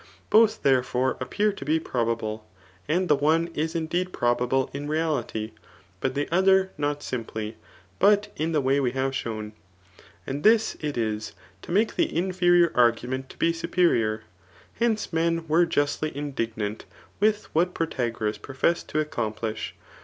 Boch^ therefore, appear to be probable ; and the one is indeed probable [in reality ;] but the other, not simply, bat in the way we have shown. And this it is, to make the inferipr argument to be the superior. Hence men were justly indignant with what Protagoras professed to ac^ Gomplish.